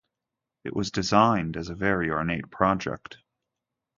It was designed as a very ornate project.